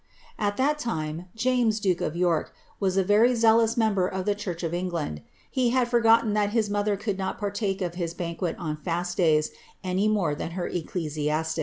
" At that time, lames, duke of York, was a very zealous member of the church of England ; he had forgotten that his mother could not partake of his toquet on fast days any more than her ecclesiastics.